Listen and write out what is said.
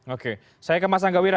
oke saya ke mas angga wira